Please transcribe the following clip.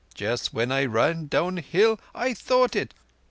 Just when I ran downhill I thought it!